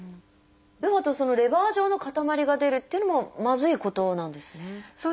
そのレバー状の塊が出るっていうのもまずいことなんですね。